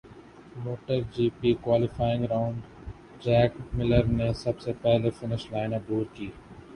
motto G P qualifying round Jack Miller نے سب سے پہلے فنش لائن عبور کی